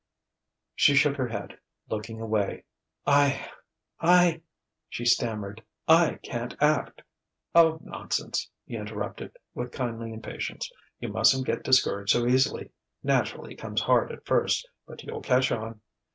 She shook her head, looking away. "I I !" she stammered "I can't act!" "O nonsense!" he interrupted with kindly impatience. "You mustn't get discouraged so easily. Naturally it comes hard at first, but you'll catch on.